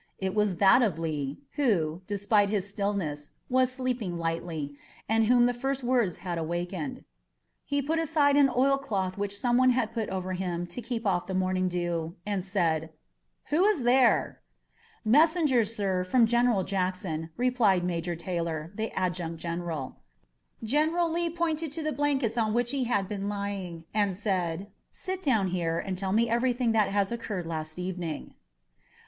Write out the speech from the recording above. It was that of Lee, who, despite his stillness, was sleeping lightly, and whom the first few words had awakened. He put aside an oilcloth which some one had put over him to keep off the morning dew, and called: "Who is there?" "Messengers, sir, from General Jackson," replied Major Taylor, the Adjutant General. General Lee pointed to the blankets on which he had been lying, and said: "Sit down here and tell me everything that occurred last evening."